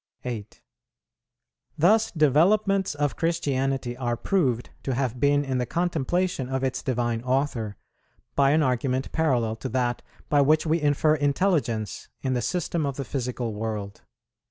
8. Thus developments of Christianity are proved to have been in the contemplation of its Divine Author, by an argument parallel to that by which we infer intelligence in the system of the physical world.